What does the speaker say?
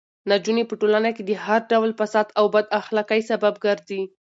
نجونې په ټولنه کې د هر ډول فساد او بد اخلاقۍ سبب ګرځي.